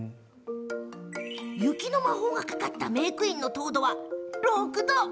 雪の魔法がかかったメークイーンの糖度は６度。